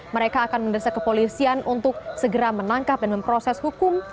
mereka akan mendesak kepolisian untuk segera menangkap dan memproses hukum